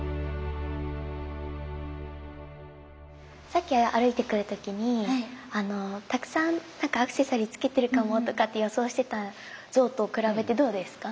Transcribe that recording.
さっき歩いてくる時にたくさんアクセサリーつけてるかもとかって予想してた像と比べてどうですか？